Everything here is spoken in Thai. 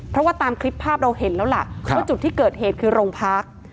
เพราะว่าตามคลิปภาพเราเห็นแล้วล่ะว่าจุดที่เกิดเหตุคือโรงพัก